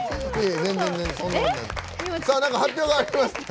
発表があります。